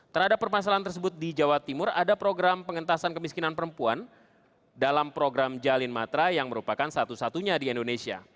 terhadap permasalahan tersebut di jawa timur ada program pengentasan kemiskinan perempuan dalam program jalin matra yang merupakan satu satunya di indonesia